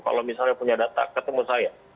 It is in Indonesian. kalau misalnya punya data ketemu saya